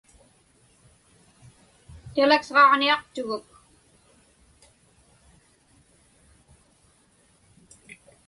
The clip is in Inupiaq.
Telex-ġaġniaqtuguk.